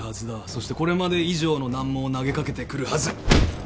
そしてこれまで以上の難問を投げ掛けてくるはず。